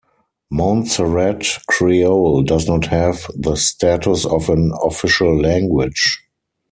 Montserrat Creole does not have the status of an official language.